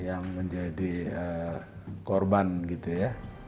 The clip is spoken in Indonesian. yang menjadi korban gitu ya